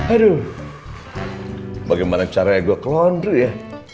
aduh bagaimana caranya gue ke laundry ya